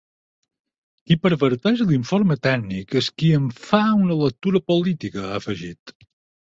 “Qui perverteix l’informe tècnic és qui en fa una lectura política”, ha afegit.